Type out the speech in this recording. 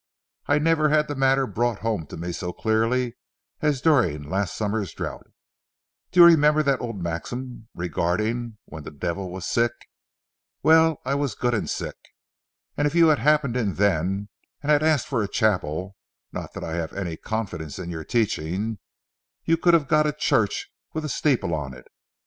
I never had the matter brought home to me so clearly as during last summer's drouth. Do you remember that old maxim regarding when the devil was sick? Well, I was good and sick. If you had happened in then and had asked for a chapel,—not that I have any confidence in your teaching,—you could have got a church with a steeple on it.